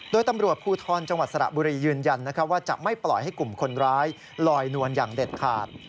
โดยตำรวจภูทรจังหวัดสระบุรียืนยันว่าจะไม่ปล่อยให้กลุ่มคนร้ายลอยนวลอย่างเด็ดขาด